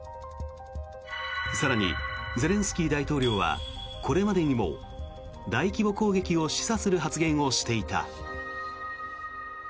更に、ゼレンスキー大統領はこれまでにも大規模攻撃を示唆する発言をしていた。